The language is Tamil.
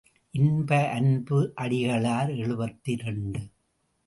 இன்ப அன்பு அடிகளார் எழுபத்திரண்டு.